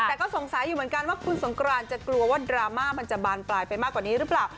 แต่ก็สงสัยอยู่เหมือนกันว่าคุณสงกรานจะกลัวว่าดราม่ามันจะบานปลายไปมากกว่านี้หรือเปล่า